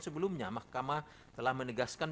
sebelumnya mahkamah telah menegaskan